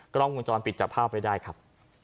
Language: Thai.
กล้องกลุ่มจรปิดจากภาพไปได้ครับ